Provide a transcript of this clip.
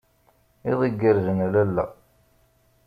Iḍ igerrzen a lalla.